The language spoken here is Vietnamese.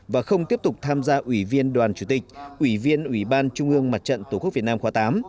và không tiếp tục tham gia ủy viên đoàn chủ tịch ủy viên ủy ban trung ương mặt trận tổ quốc việt nam khóa tám